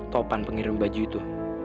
topan pengirim baju itu